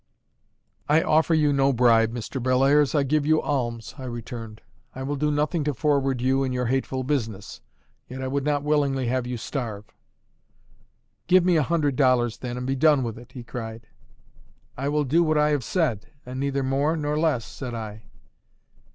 "I offer you no bribe, Mr. Bellairs, I give you alms," I returned. "I will do nothing to forward you in your hateful business; yet I would not willingly have you starve." "Give me a hundred dollars then, and be done with it," he cried. "I will do what I have said, and neither more nor less," said I.